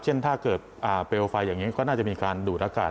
ถ้าเกิดเปลวไฟอย่างนี้ก็น่าจะมีการดูดอากาศ